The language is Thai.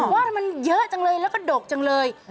ว่าทำไมเยอะจังเลยแล้วก็ดกจังเลย